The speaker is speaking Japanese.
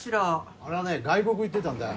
あれはね外国行ってたんだよ。